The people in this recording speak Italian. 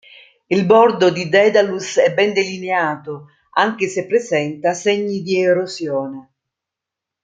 Il bordo di Daedalus è ben delineato, anche se presenta segni di erosione.